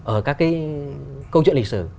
ở các cái câu chuyện lịch sử